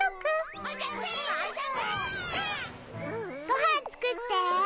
ごはん作って。